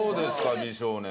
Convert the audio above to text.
美少年は。